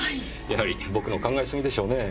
やはり僕の考えすぎでしょうね。